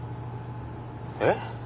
えっ？